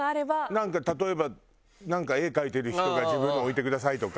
なんか例えばなんか絵描いてる人が自分のを置いてくださいとか。